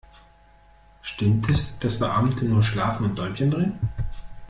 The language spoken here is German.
Stimmt es, dass Beamte nur schlafen und Däumchen drehen?